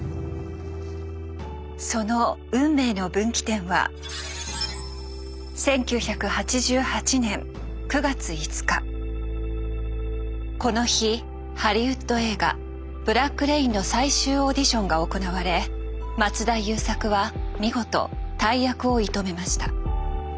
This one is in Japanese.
その運命の分岐点はこの日ハリウッド映画「ブラック・レイン」の最終オーディションが行われ松田優作は見事大役を射止めました。